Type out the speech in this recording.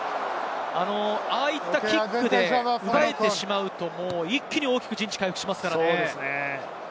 ああいったキックで奪えてしまうと、一気に大きく陣地を回復しますからね。